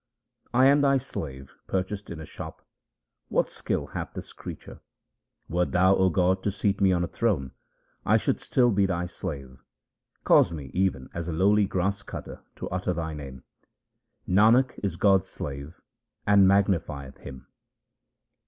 1 am Thy slave purchased in a shop ; what skill hath this creature ? Wert Thou, O God, to seat me on a throne, I should still be Thy slave ; cause me even as a lowly grass cutter to utter Thy name. Nanak is God's slave, and magnifieth Him.